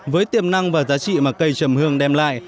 với tiềm năng và giá trị mà cây chầm hương đem lại